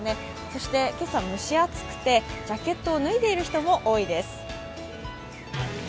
そして、今朝蒸し暑くてジャケットを脱いでいる人も多いです。